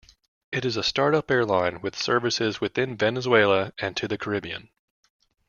It is a start-up airline with services within Venezuela and to the Caribbean.